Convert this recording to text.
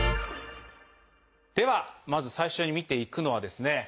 ではまず最初に見ていくのはですね